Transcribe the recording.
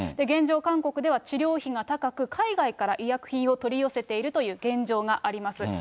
現状、韓国では治療費が高く、海外から医薬品を取り寄せているという現状があります。